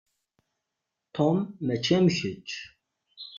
Tom mačči am kečč.